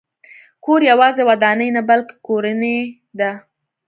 کور یوازې ودانۍ نه، بلکې کورنۍ ده.